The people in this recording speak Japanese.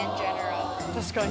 確かに。